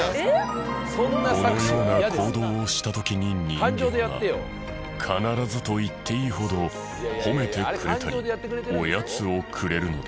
このような行動をした時に人間は必ずと言っていいほど褒めてくれたりおやつをくれるのだ。